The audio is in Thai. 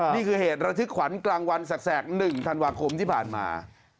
นี่คือเหตุระทึกขวัญกลางวันแสก๑ธันวาคมที่ผ่านมา